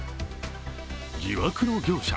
疑惑の業者。